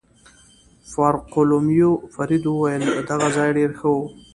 فاروقلومیو فرید وویل: دغه ځای ډېر ښه و.